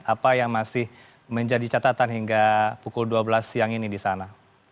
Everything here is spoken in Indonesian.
apa yang masih menjadi catatan hingga pukul dua belas siang ini di sana